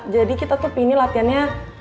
jadi kita tuh pini latihannya